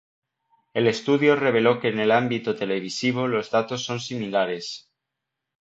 El estudio reveló que en el ámbito televisivo los datos son similares.